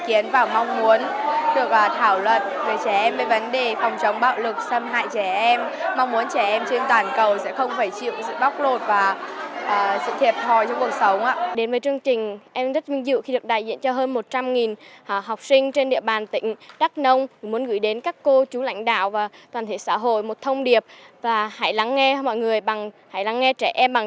trẻ em với vấn đề phòng chống xâm hại trẻ em trẻ em với vấn đề phòng ngừa giảm thiểu lao động trẻ em trên môi trường mạng